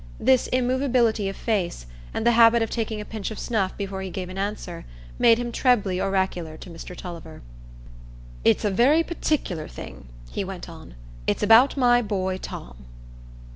This immovability of face, and the habit of taking a pinch of snuff before he gave an answer, made him trebly oracular to Mr Tulliver. "It's a very particular thing," he went on; "it's about my boy Tom."